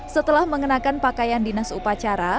setelah mengenakan pakaian dinas upacara